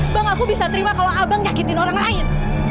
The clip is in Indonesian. bang aku bisa terima kalau abang nyakitin orang lain